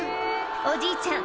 おじいちゃん